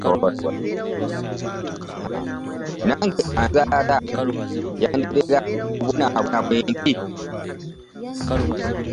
Mange anzaala ye yandetera okubonabona bwenti.